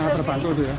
sangat terbantu dia